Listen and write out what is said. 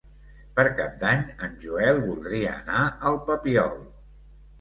Per Cap d'Any en Joel voldria anar al Papiol.